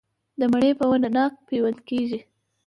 د مڼې په ونه ناک پیوند کیږي؟